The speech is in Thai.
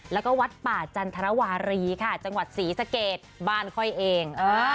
แล้วก็วัดป่าจันทรวารีค่ะจังหวัดศรีสะเกดบ้านค่อยเอง